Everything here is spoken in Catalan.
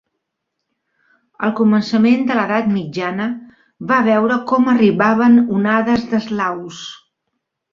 El començament de l'Edat Mitjana va veure com arribaven onades d'eslaus.